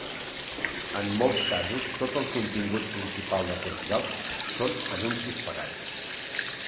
En molts casos tot el contingut principal d'aquests llocs són anuncis pagats.